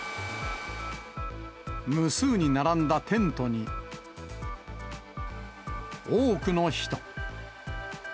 無数に並んだテントに、多くの人。